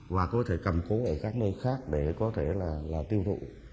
và có thể cầm cố ở các nơi khác để có thể là tiêu thụ